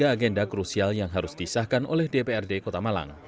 ada agenda krusial yang harus disahkan oleh dprd kota malang